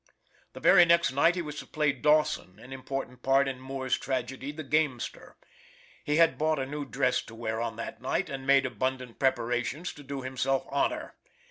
The very next night he was to play Dawson, an important part in Moore's tragedy of "The Gamester." He had bought a new dress to wear on this night, and made abundant preparation to do himself honor.